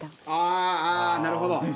ああーなるほど。